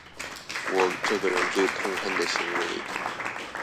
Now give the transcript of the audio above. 我這個人最痛恨的行為